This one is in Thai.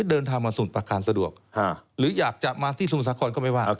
เดินทางมาสมุทรประการสะดวกหรืออยากจะมาที่สมุทรสาครก็ไม่ว่า